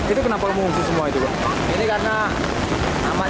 itu kenapa mengungsi semua itu pak